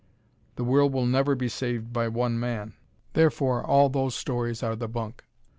The world will never be saved by one man. Therefore, all those stories are "the bunk."